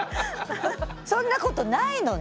そんなことないのに。